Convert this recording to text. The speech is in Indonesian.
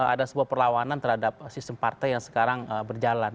ada sebuah perlawanan terhadap sistem partai yang sekarang berjalan